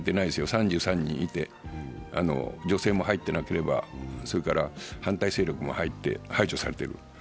３３人いて、女性も入っていなければ、反対勢力も排除されている。